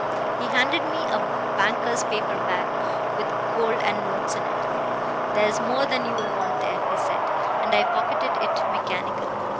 He handed me a banker's paper bag with gold and notes in it. 'There's more than you'll want there,' he said, and I pocketed it mechanically.